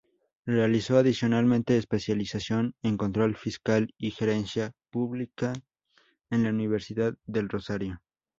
Realizó adicionalmente especialización en Control Fiscal y Gerencia Pública en la Universidad del Rosario.